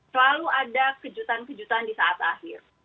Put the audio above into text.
selalu ada kejutan kejutan di saat akhir